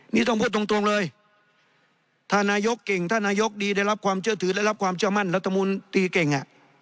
นี่ต้องพูดตรงเลยถ้านายกเก่งถ้านายกดีได้รับความเชื่อมั่นได้รับความเชื่อที้รัฐบาลดีเก่ง